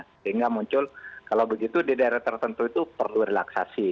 sehingga muncul kalau begitu di daerah tertentu itu perlu relaksasi